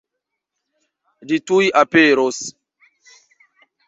Ĝi tuj aperos.